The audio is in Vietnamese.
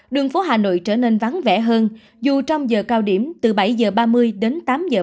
đường phố hà nội trở nên vắng vẻ hơn dù trong giờ cao điểm từ bảy h ba mươi đến tám h